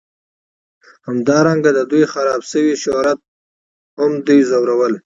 همدارنګه د دوی خراب شوي شهرت هم دوی ځورول